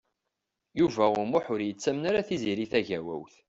Yuba U Muḥ ur yettamen ara Tiziri Tagawawt.